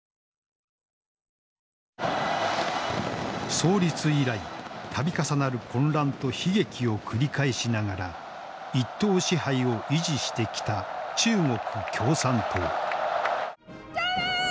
創立以来度重なる混乱と悲劇を繰り返しながら一党支配を維持してきた中国共産党。